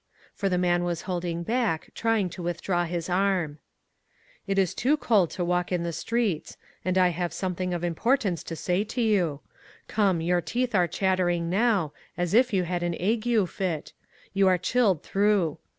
For the man was holding back, trying to withdraw his arm. "It is too cold to walk the streets, and I have something of importance to say to you. Come, your teeth are chattering now, as if you had an ague fit; you are chilled through.